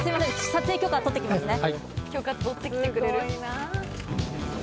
撮影許可取ってきますね。